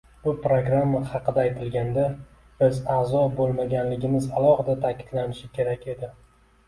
Bu programma haqida aytilganida, biz a’zo bo‘lmaganligimiz alohida ta’kidlanishi kerak edi.